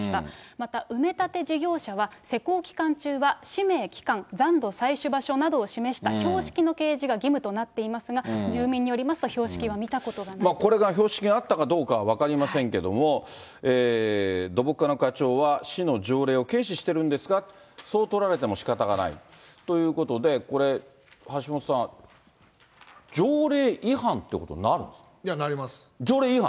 また埋め立て事業者は、施工期間中は氏名、期間、残土採取場所を示した標識の掲示が義務となっていますが、住民などによりますと、これが標識があったかどうかは分かりませんけれども、土木課の課長は、市の条例を軽視してるんですか、そう取られてもしかたがないということで、これ、橋下さん、いや、なります。